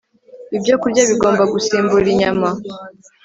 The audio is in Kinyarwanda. ibyokurya bigomba gusimbura inyama